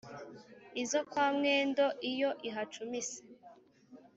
Izo kwa Mwendo, iyo ihacumise,